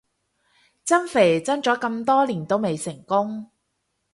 增肥增咗咁多年都未成功